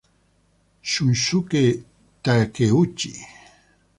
Shunsuke Takeuchi